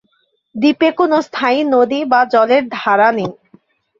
দ্বীপে কোনও স্থায়ী নদী বা জলের ধারা নেই।